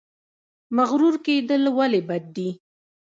مغرور کیدل ولې بد دي؟